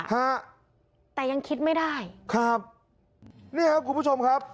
ฮะแต่ยังคิดไม่ได้ครับนี่ครับคุณผู้ชมครับ